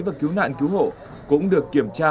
và cứu nạn cứu hộ cũng được kiểm tra